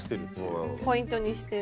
ポイントにして。